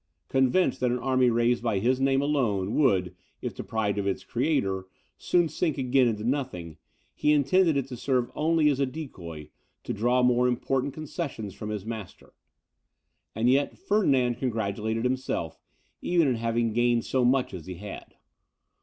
Convinced that an army raised by his name alone, would, if deprived of its creator, soon sink again into nothing, he intended it to serve only as a decoy to draw more important concessions from his master. And yet Ferdinand congratulated himself, even in having gained so much as he had.